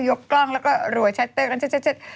ยกกล้องแล้วก็ระวังแชร์ต้น